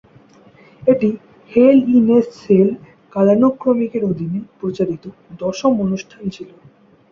এটি Hell in a Cell কালানুক্রমিকের অধীনে প্রচারিত দশম অনুষ্ঠান ছিল।